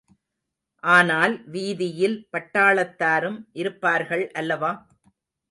ஆனால் வீதியில் பட்டாளத்தாரும் இருப்பார்கள் அல்லவா?